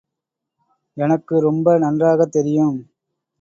எனக்கு ரொம்ப நன்றாகத் தெரியும்.